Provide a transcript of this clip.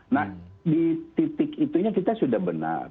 nah di titik itunya kita sudah benar